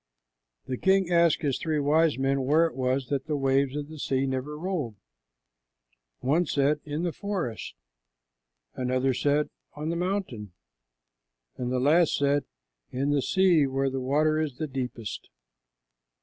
The king asked his three wise men where it was that the waves of the sea never rolled. One said, "In the forest;" another said, "On the mountain;" and the last said, "In the sea where the water is deepest."